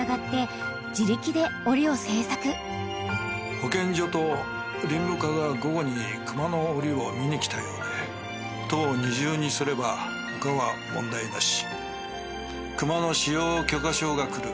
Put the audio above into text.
「保健所と林務課が午後に熊のおりを見に来たようで戸を二重にすれば他は問題なし」「熊の飼養許可証が来る」